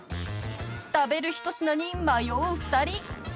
［食べる一品に迷う２人］